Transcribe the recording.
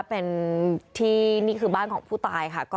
เป็นที่นี่คือบ้านของผู้ตายค่ะ